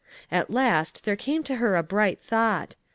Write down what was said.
At last there came to her a bright thought.